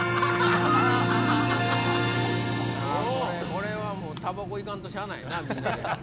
これはもうタバコ行かんとしゃあないよな。